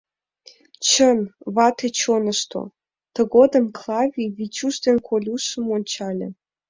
Чын — вате чонышто! — тыгодым Клави Витюш ден Колюшым ончале.